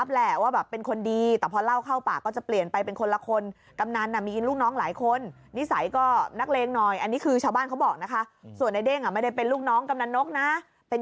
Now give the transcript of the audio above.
บางทีแบบเราก็นึกในเกลือญาตินั้นนะคะเราก็แบบว่าไม่แบบก็รู้สึกว่าแบบ